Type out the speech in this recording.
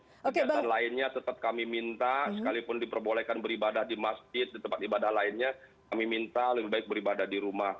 kegiatan lainnya tetap kami minta sekalipun diperbolehkan beribadah di masjid di tempat ibadah lainnya kami minta lebih baik beribadah di rumah